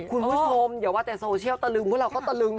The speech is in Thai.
คุณผู้ชมอย่าว่าแต่โซเชียลตะลึงพวกเราก็ตะลึงนะ